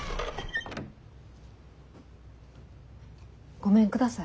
ごめんください。